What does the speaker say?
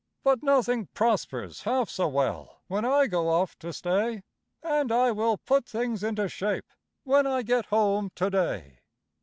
But nothing prospers half so well when I go off to stay, And I will put things into shape, when I get home to day.